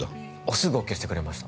すぐＯＫしてくれました